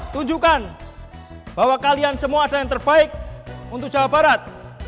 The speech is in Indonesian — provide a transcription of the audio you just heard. tunjukkan bahwa kalian semua adalah yang terbaik untuk jawa barat